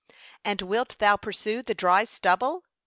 And wilt thou pursue the dry stubble?'